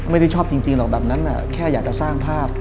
ไม่ได้ชอบจริงหรอกแบบนั้นแค่อยากจะสร้างภาพ